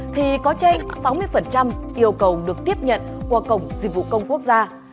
thì có trên sáu mươi yêu cầu được tiếp nhận qua cổng dịch vụ công quốc gia